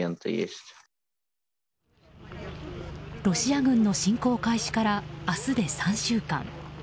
ロシア軍の侵攻開始から明日で３週間。